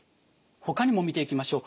ほかにも見ていきましょう。